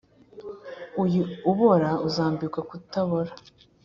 uyu ubora uzambikwa kutabora